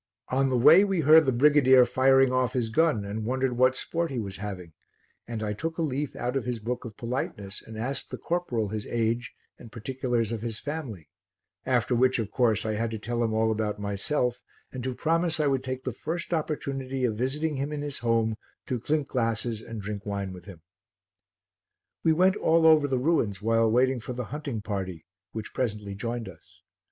On the way we heard the brigadier firing off his gun and wondered what sport he was having, and I took a leaf out of his book of politeness and asked the corporal his age and particulars of his family, after which, of course, I had to tell him all about myself and to promise I would take the first opportunity of visiting him in his home to clink glasses and drink wine with him. We went all over the ruins while waiting for the hunting party which presently joined us.